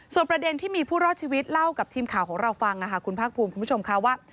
ประเด็นที่มีผู้รอดชีวิตเล่ากับทีมข่าวของเราฟังคุณภาคภูมิคุณผู้ชมค่ะว่า